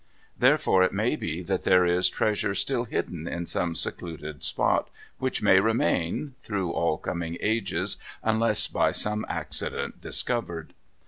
Therefore it may be that there is treasure still hidden in some secluded spot, which may remain, through all coming ages unless by some accident discovered.